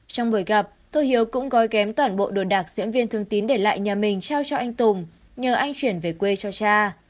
trong buổi gặp tôi hiếu cũng gói ghém toàn bộ đồ đạc diễn viên thương tín để lại nhà mình trao cho anh tùng nhờ anh chuyển về quê cho cha